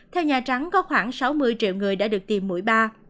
theo nhà trắng có khoảng sáu mươi triệu người đã được tìm mũi ba